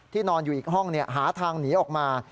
ที่นอนอยู่อีกห้องเนี่ยหาทางหนีออกมา